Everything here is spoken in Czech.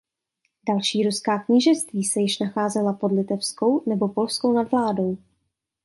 Další ruská knížectví se již nacházela pod litevskou nebo polskou nadvládou.